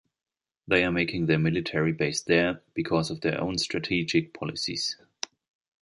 They are making their military base there, because of their own strategic policies.